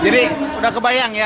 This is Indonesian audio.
jadi sudah kebayang ya